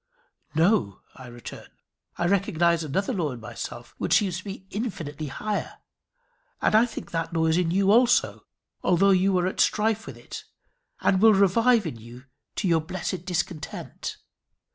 "No," I return. "I recognize another law in myself which seems to me infinitely higher. And I think that law is in you also, although you are at strife with it, and will revive in you to your blessed discontent.